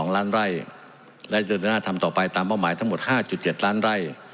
และเราจะมันจะมีหน้าทำต่อไปตามเป้าหมายทั้งหมด๕๗ล้านไร่